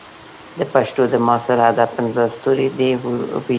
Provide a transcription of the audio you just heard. د پښتو د معاصر ادب پنځه ستوري دې وپېژني.